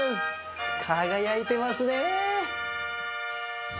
輝いてますねー。